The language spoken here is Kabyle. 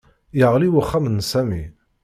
Yeɣli uxxam n Sami